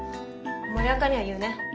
森若には言うね。